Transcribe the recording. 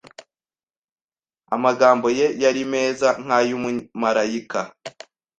Amagambo ye yari ameze nkay'umumarayika.